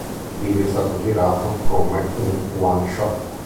Il video è stato girato come un one-shot.